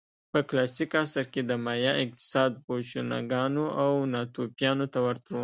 په کلاسیک عصر کې د مایا اقتصاد بوشونګانو او ناتوفیانو ته ورته و